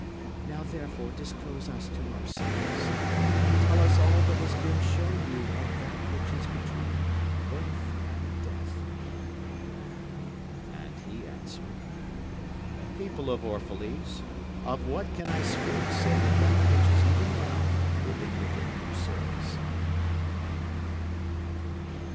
Now therefore disclose us to ourselves, and tell us all that has been shown you of that which is between birth and death. And he answered, People of Orphalese, of what can I speak save of that which is even now moving within your souls?